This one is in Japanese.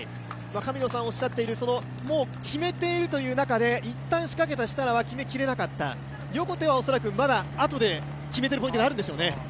神野さんがおっしゃっている、もう決めているという中で、一旦仕掛けた設楽は決めきれなかった、横手は恐らくまだあとで決めてるポイントがあるんでしょうね。